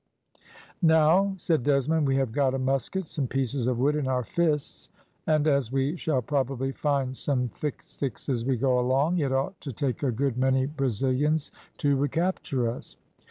"Now," said Desmond, "we have got a musket, some pieces of wood, and our fists; and, as we shall probably find some thick sticks as we go along, it ought to take a good many Brazilians to recapture us."